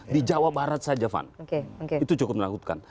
di jawa barat saja van itu cukup menakutkan